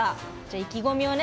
意気込みをね